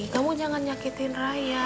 kamu jangan nyakitin raya